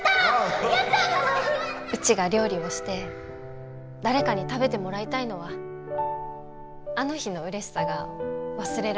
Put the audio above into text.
うちが料理をして誰かに食べてもらいたいのはあの日のうれしさが忘れられないから。